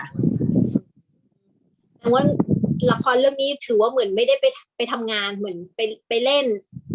เพราะว่าละครเรื่องนี้ถือว่าเหมือนไม่ได้ไปทำงานเหมือนไปเล่น